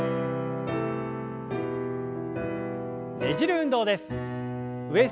ねじる運動です。